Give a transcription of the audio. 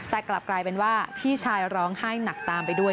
แต่กลับกลายเป็นว่าพี่ชายร้องไห้หนักตามไปด้วย